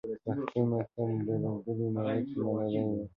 پښتو متل: "د دله کلي ملک به مُلا وي"